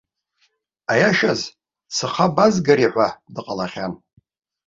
Аиашаз, схы абазгари ҳәа дҟалахьан.